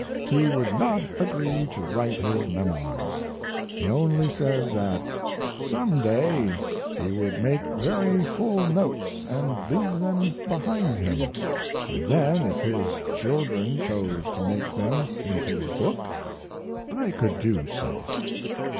He would not agree to write his memoirs. He only said that some day he would make very full notes and leave them behind him, and then if his children chose to make them into a book they could do so.